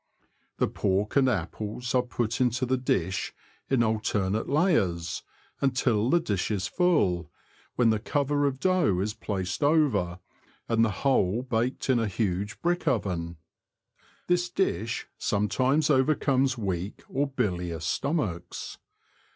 The pork and apples are put into the dish, in alternate layers, until the dish is full, when the cover of dough is placed over, and the whole baked in a huge brick oven. This dish sometimes overcomes weak or bilious stomachs.